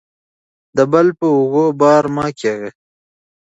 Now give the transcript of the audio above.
د بل په اوږو بار مه کیږئ.